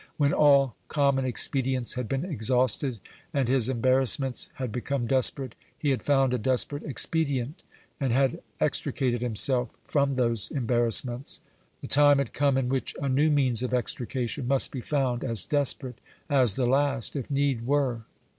When all common expedients had been exhausted, and his embarrassments had become desperate, he had found a desperate expedient, and had extricated himself from those embarrassments. The time had come in which a new means of extrication must be found as desperate as the last, if need were.